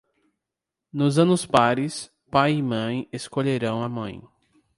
Nos anos pares, pai e mãe escolherão a mãe.